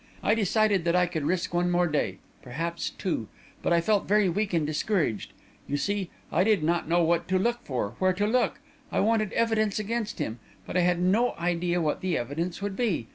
I decided that I could risk one more day perhaps two; but I felt very weak and discouraged. You see, I did not know what to look for, or where to look. I wanted evidence against him, but I had no idea what the evidence would be.